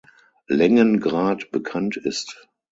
Längengrad bekannt ist.